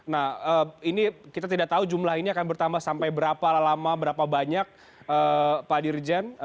nah ini kita tidak tahu jumlah ini akan bertambah sampai berapa lama berapa banyak pak dirjen